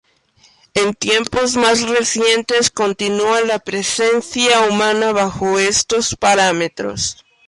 En tiempos más recientes continúa la presencia humana bajo estos parámetros.